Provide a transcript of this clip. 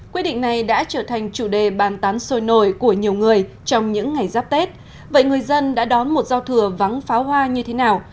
quy định này đã trở thành chủ đề bàn tán sôi nổi của nhiều người trong những ngày giáp tết vậy người dân đã đón một giao thừa vắng phá hoa như thế nào